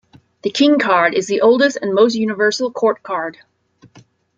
The king card is the oldest and most universal court card.